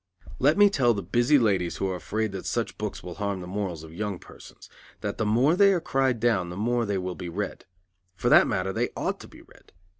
Let me tell the busy ladies who are afraid that such books will harm the morals of young persons that the more they are cried down the more they will be read. For that matter they ought to be read.